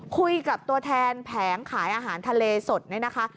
คุยกับตัวแทนแผงขายอาหารทะเลสดเนี่ยนะคะ